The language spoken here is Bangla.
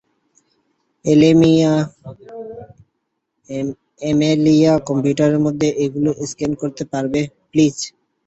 অ্যামেলিয়া, কম্পিউটারের মধ্যে এগুলি স্ক্যান করতে পারবে, প্লিজ?